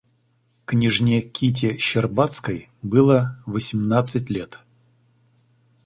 Княжне Кити Щербацкой было восьмнадцать лет.